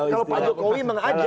kalau pak jokowi mengajak